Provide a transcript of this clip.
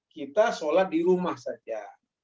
kita sholat di rumah saja